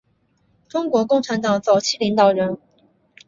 中国共产党早期领导人。